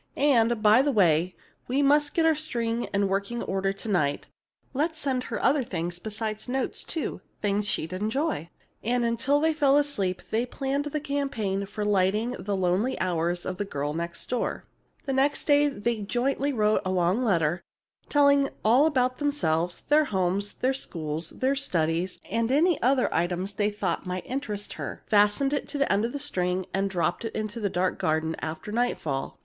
And, by the way, we must get our string in working order to morrow. Let's send her other things beside notes, too things she'd enjoy." And until they fell asleep they planned the campaign for lightening the lonely hours of the girl next door. [Illustration: "They heard Cecily's light footsteps"] Next day they jointly wrote a long letter, telling all about themselves, their homes, their schools, their studies, and any other items they thought might interest her, fastened it to the end of the string, and dropped it into the dark garden after nightfall.